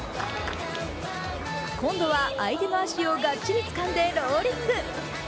今度は相手の足をがっちりつかんでローリング。